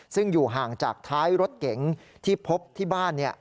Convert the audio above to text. ซึ่งอยู่ห่างจากท้ายรถเก๋งที่พบที่บ้าน